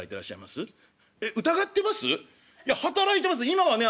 今はね